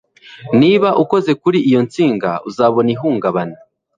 Niba ukoze kuri iyo nsinga, uzabona ihungabana.